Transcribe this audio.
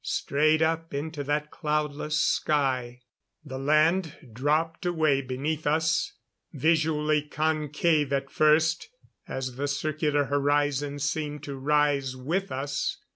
Straight up, into that cloudless sky. The land dropped away beneath us; visually concave at first as the circular horizon seemed to rise with us.